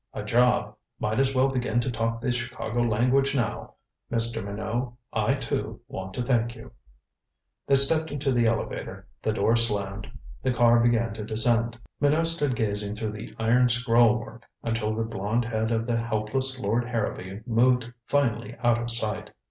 A job. Might as well begin to talk the Chicago language now. Mr. Minot, I, too, want to thank you " They stepped into the elevator, the door slammed, the car began to descend. Minot stood gazing through the iron scroll work until the blond head of the helpless Lord Harrowby moved finally out of sight.